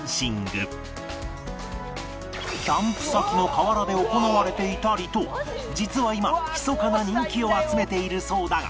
キャンプ先の河原で行われていたりと実は今ひそかな人気を集めているそうだが